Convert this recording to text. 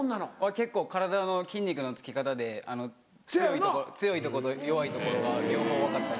結構体の筋肉のつき方で強いとこと弱いところが両方分かったり。